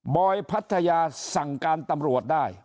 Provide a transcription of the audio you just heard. อยพัทยาสั่งการตำรวจได้